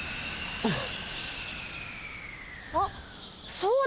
あっそうだ。